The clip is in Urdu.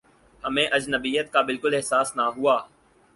ہمیں اجنبیت کا بالکل احساس نہ ہوا